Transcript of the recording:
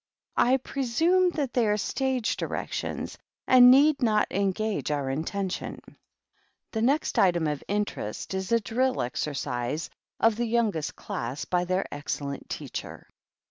I presume that they are stage 21* 246 THE GREAT OCCASION. directions, and need not engage our intention. The next item of interest is a drill exercise of the youngest class by their excellent teacher."